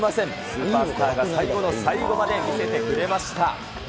スーパースターが最後の最後まで見せてくれました。